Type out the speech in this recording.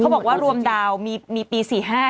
เขาบอกว่ารวมดาวน์มีปี๔๕